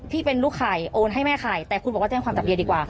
ที่เป็นลูกไข่โอนให้แม่ขายแต่คุณบอกว่าแจ้งความจับเดียดีกว่าค่ะ